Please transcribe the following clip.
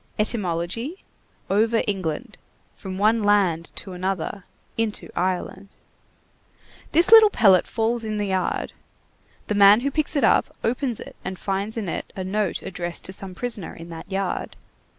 Etymology: over England; from one land to another; into Ireland. This little pellet falls in the yard. The man who picks it up opens it and finds in it a note addressed to some prisoner in that yard.